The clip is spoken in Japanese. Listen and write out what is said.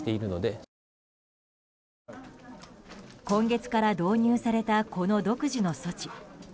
今月から導入されたこの独自の措置。